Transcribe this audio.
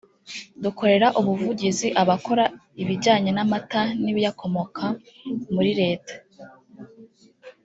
dukorera ubuvugizi abakora ibijyanye n’amata n’ibiyakomoka muri Leta